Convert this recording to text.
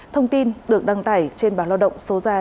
thông tin được đăng tải trên báo lao động số ra